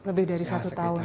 lebih dari satu tahun